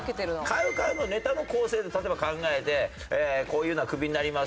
ＣＯＷＣＯＷのネタの構成で例えば考えてこういうのはクビになりますよ。